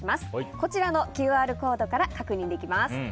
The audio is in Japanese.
こちらのＱＲコードから確認できます。